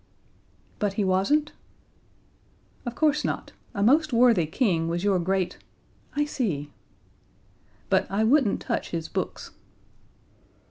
"But he wasn't?" "Of course not a most worthy King was your great " "I see." "But I wouldn't touch his books."